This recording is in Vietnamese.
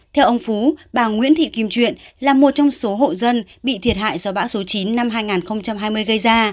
theo ông phú bà nguyễn thị kim truyện là một trong số hộ dân bị thiệt hại do bão số chín năm hai nghìn hai mươi gây ra